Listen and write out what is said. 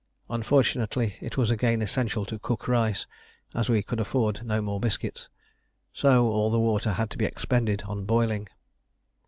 Unfortunately it was again essential to cook rice, as we could afford no more biscuits; so all the water had to be expended on boiling.